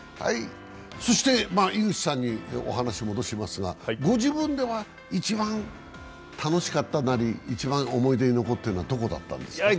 そして、井口さんにお話を戻しますが、ご自分では一番楽しかったなり一番思い出に残っているのはどこだったですか？